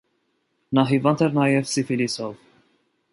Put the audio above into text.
Նա հիվանդ էր նաև սիֆիլիսով։